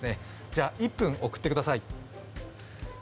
じゃ、１分送ってください。